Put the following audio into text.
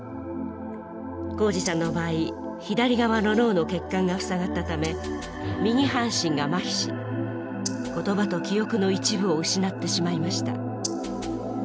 宏司さんの場合左側の脳の血管が塞がったため右半身がまひし言葉と記憶の一部を失ってしまいました。